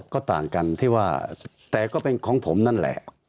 ก็ต่างกันที่ว่าแต่ก็เป็นของผมนั่นแหละ